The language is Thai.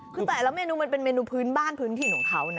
คือแต่ละเมนูมันเป็นเมนูพื้นบ้านพื้นถิ่นของเขานะ